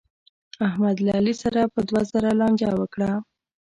احمد له علي سره په دوه زره لانجه وکړه.